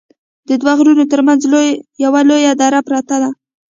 ددوو غرونو تر منځ یوه لویه دره پراته ده